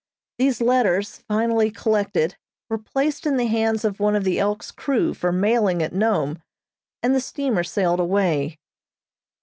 These letters, finally collected, were placed in the hands of one of the "Elk's" crew for mailing at Nome, and the steamer sailed away.